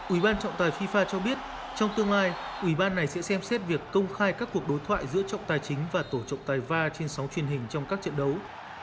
ủy ban trọng tài fifa cho biết trong tương lai ủy ban này sẽ xem xét việc công khai các cuộc đối thoại giữa trọng tài chính và tổ trọng tài va trên sóng truyền hình trong các trận đấu